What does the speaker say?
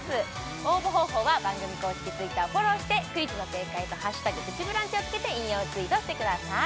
応募方法は番組公式Ｔｗｉｔｔｅｒをフォローしてクイズの正解と「＃プチブランチ」をつけて引用ツイートしてください